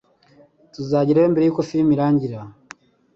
Tuzagerayo mbere yuko firime irangira?